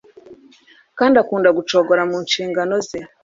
Kandi akunda gucogora mu nshingano ze